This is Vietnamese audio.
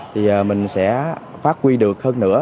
thì mình sẽ phát quy được hơn nữa